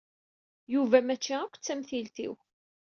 Yuba mačči akk d tamtilt-iw.